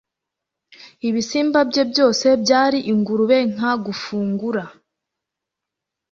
ibisimba bye byose byari ingurube Nka gufungura